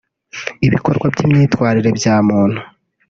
Ibikorwa n’imyitwarire bya muntu